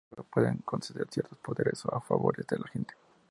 Vive en la selva y puede conceder ciertos poderes o favores a la gente.